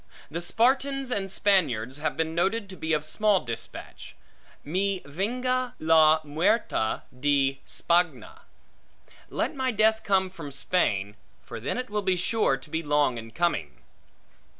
The Spartans and Spaniards have been noted to be of small dispatch; Mi venga la muerte de Spagna; Let my death come from Spain; for then it will be sure to be long in coming.